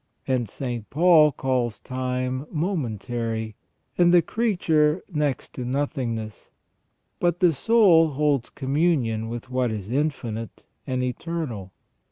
Hence St. Paul calls time momentary, and the creature next to nothingness. But the soul holds communion with what is infinite and eternal.